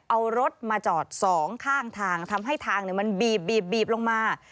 เอารถมาจอดสองข้างทางทำให้ทางมันบีบลงมา